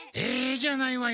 じゃないわよ。